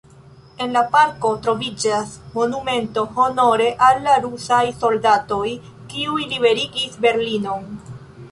En la parko troviĝas monumento honore al la rusaj soldatoj, kiuj liberigis Berlinon.